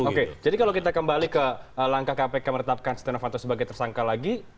oke jadi kalau kita kembali ke langkah kpk meretapkan steno fanto sebagai tersangka lagi